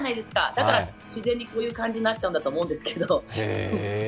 だから、自然にこういう感じになっちゃうんだと思うんですけど。